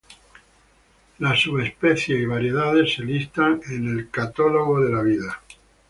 Las subespecies y variedades se listan en Catalogue of Life.